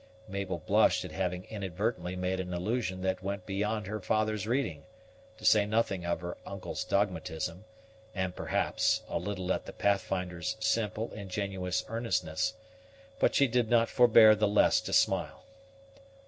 Mabel blushed at having inadvertently made an allusion that went beyond her father's reading, to say nothing of her uncle's dogmatism, and, perhaps, a little at the Pathfinder's simple, ingenuous earnestness; but she did not forbear the less to smile.